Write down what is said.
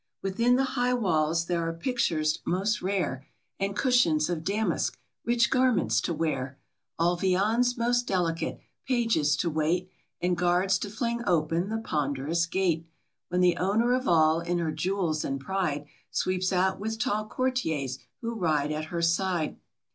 * Within the high walls there are pictures most rare, And cushions of damask; rich garments to wear; All viands most delicate ; pages to wait ; And guards to fling open the ponderous gate, When the owner of all, in her jewels and pride, Sweeps out with tall courtiers who ride at her side.